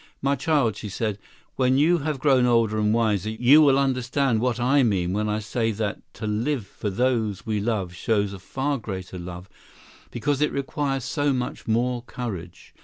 "My child," she said, "when you have grown older and wiser, you will understand what I mean when I say that to live for those we love shows a far greater love, because it requires so much more courage.